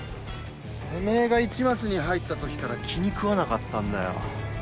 てめえが市松に入ったときから気にくわなかったんだよ。